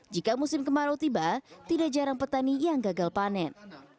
jika musim kemarau tiba tidak jarang petani yang gagal panen